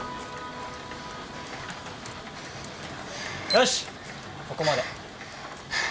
よしここまで。